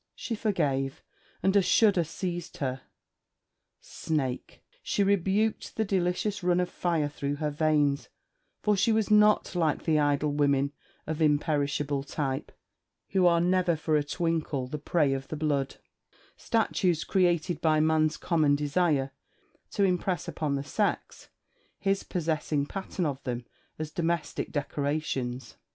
She forgave; and a shudder seized her. Snake! she rebuked the delicious run of fire through her veins; for she was not like the idol women of imperishable type, who are never for a twinkle the prey of the blood: statues created by man's common desire to impress upon the sex his possessing pattern of them as domestic decorations.